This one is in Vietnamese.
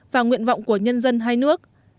và nguyện vọng của nhân dân hai nước